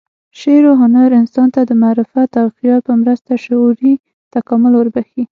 شعر و هنر انسان ته د معرفت او خیال په مرسته شعوري تکامل وربخښي.